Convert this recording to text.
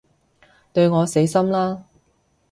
對我死心啦